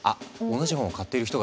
同じ本を買っている人がいる！